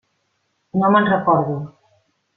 No me'n recordo.